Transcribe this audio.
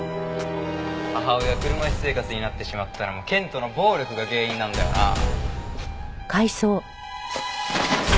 母親が車椅子生活になってしまったのも剣人の暴力が原因なんだよなあ？